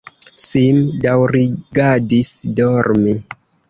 Sim daŭrigadis dormi.